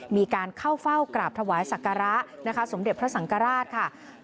มีการเข้าเฝ้ากราบถวายศักระนะคะสมเด็จพระสังกราชค่ะ